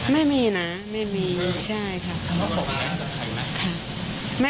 ไม่มีนะไม่มีใช่ค่ะ